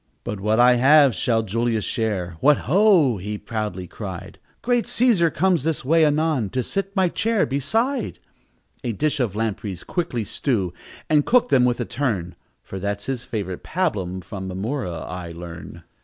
"But what I have shall Julius share. What, ho!" he proudly cried, "Great Cæsar comes this way anon To sit my chair beside. "A dish of lampreys quickly stew, And cook them with a turn, For that's his favorite pabulum From Mamurra I learn."